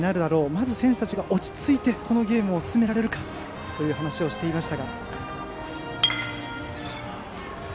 まず選手たちが落ち着いてこのゲームを進められるかという話をしていました。